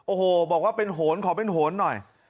โอ้โหบอกว่าเป็นโหนขอเป็นโหนหน่อย